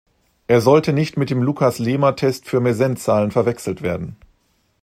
Er sollte nicht mit dem Lucas-Lehmer-Test für Mersenne-Zahlen verwechselt werden.